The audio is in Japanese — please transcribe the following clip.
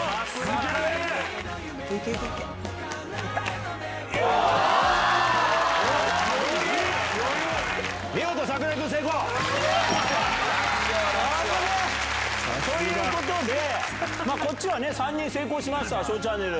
危ねぇ！ということでこっちは３人成功しました『ＳＨＯＷチャンネル』。